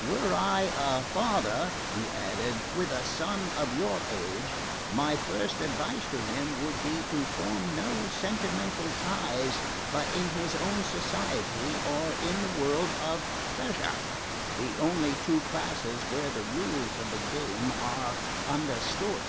"Were I a father," he added, "with a son of your age, my first advice to him would be to form no sentimental ties but in his own society or in the world of pleasure the only two classes where the rules of the game are understood."